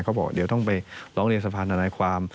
เขาบอกเดี๋ยวต้องไปร้องเรียนสะพานธนายความ